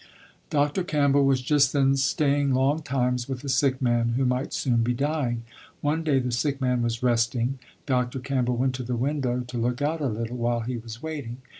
Dr. Campbell was just then staying long times with a sick man who might soon be dying. One day the sick man was resting. Dr. Campbell went to the window to look out a little, while he was waiting.